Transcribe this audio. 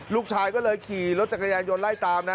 ลูกชายก็เลยขี่รถจักรยานยนต์ไล่ตามนะ